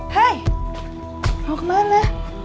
hei mau kemana